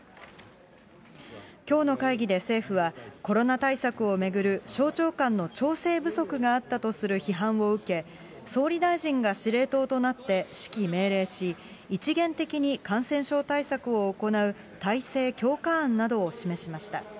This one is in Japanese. きょうの会議で政府は、コロナ対策を巡る省庁間の調整不足があったとする批判を受け、総理大臣が司令塔となって指揮命令し、一元的に感染症対策を行う体制強化案などを示しました。